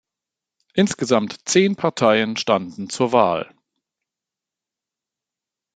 Insgesamt zehn Parteien standen zur Wahl.